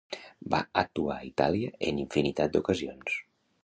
Va actuar a Itàlia en infinitat d'ocasions.